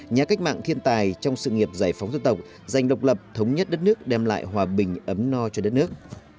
nhà cách mạng thiên tài trong sự nghiệp giải phóng dân tộc giành độc lập thống nhất đất nước đem lại hòa bình ấm no cho đất nước